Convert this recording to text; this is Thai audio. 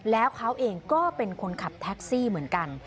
แล้วเขาเองก็เป็นคนขับแท็กซี่เหมือนกัน